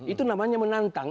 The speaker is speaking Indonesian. itu namanya menantang